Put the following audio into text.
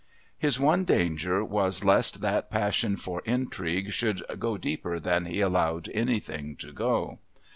His one danger was lest that passion for intrigue should go deeper than he allowed anything to go.